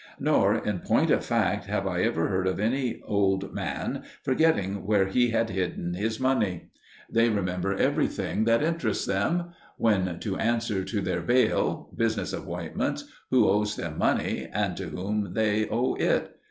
Nor, in point of fact, have I ever heard of any old man forgetting where he had hidden his money. They remember everything that interests them: when to answer to their bail, business appointments, who owes them money, and to whom they owe it.